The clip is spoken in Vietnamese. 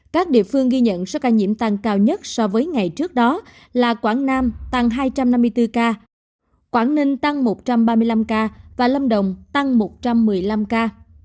các địa phương ghi nhận số ca nhiễm tăng cao nhất so với ngày trước đó là quảng nam tăng hai trăm năm mươi bốn ca quảng ninh tăng một trăm ba mươi năm ca và lâm đồng tăng một trăm một mươi năm ca